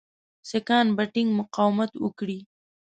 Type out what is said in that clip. سیکهان به ټینګ مقاومت وکړي.